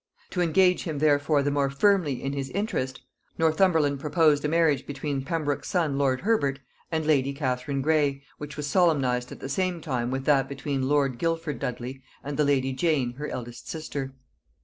To engage him therefore the more firmly in his interest, Northumberland proposed a marriage between Pembroke's son lord Herbert and lady Catherine Grey, which was solemnized at the same time with that between lord Guildford Dudley and the lady Jane her eldest sister.